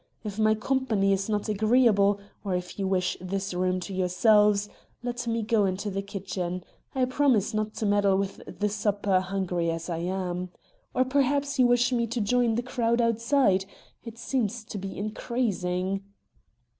If my company is not agreeable, or if you wish this room to yourselves, let me go into the kitchen. I promise not to meddle with the supper, hungry as I am. Or perhaps you wish me to join the crowd outside; it seems to be increasing."